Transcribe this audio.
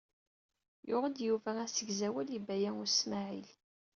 Yuɣ-d Yuba asegzawal i Baya U Smaɛil.